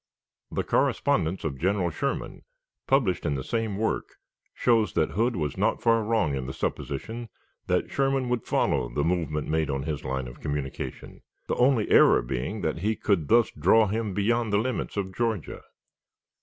The correspondence of General Sherman, published in the same work, shows that Hood was not far wrong in the supposition that Sherman would follow the movement made on his line of communication; the only error being that he could thus draw him beyond the limits of Georgia.